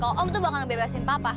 oh om tuh bakal ngebebasin papa